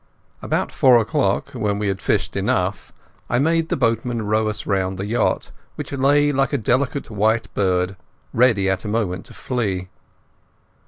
About four o'clock, when we had fished enough, I made the boatman row us round the yacht, which lay like a delicate white bird, ready at a moment to flee.